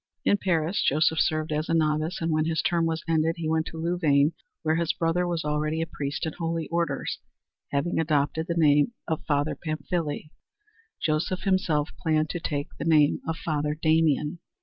In Paris Joseph served as a novice and when this term was ended he went to Louvain where his brother was already a priest in holy orders, having adopted the name of Father Pamphile. Joseph himself planned to take the name of Father Damien.